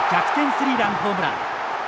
スリーランホームラン。